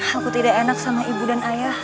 aku tidak enak sama ibu dan ayah